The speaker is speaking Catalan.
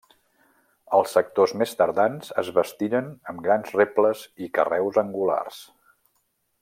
Els sectors més tardans es bastiren amb grans rebles i carreus angulars.